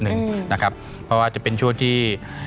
เพราะว่าจะเป็นช่วงที่